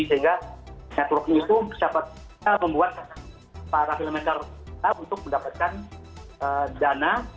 sehingga networking itu bisa membuat para filmmaker tahu untuk mendapatkan dana